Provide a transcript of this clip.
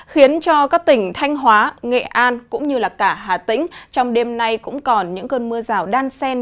khiến cho các tỉnh thanh hóa nghệ an cũng như cả hà tĩnh trong đêm nay cũng còn những cơn mưa rào đan sen